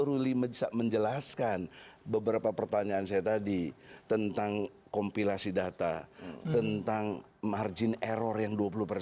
ruli menjelaskan beberapa pertanyaan saya tadi tentang kompilasi data tentang margin error yang